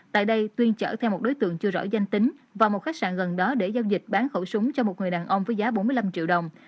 tại đây tuyên chở theo một đối tượng chưa rõ danh tính vào một khách sạn gần đó để giao dịch bán khẩu súng cho một người đàn ông với giá bốn mươi năm triệu đồng